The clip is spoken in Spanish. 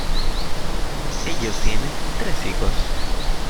Ellos tienen tres hijos.